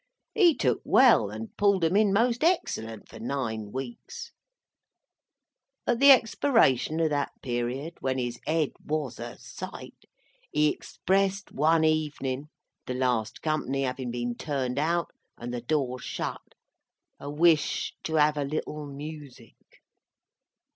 He took well, and pulled 'em in most excellent for nine weeks. At the expiration of that period, when his Ed was a sight, he expressed one evenin, the last Company havin been turned out, and the door shut, a wish to have a little music.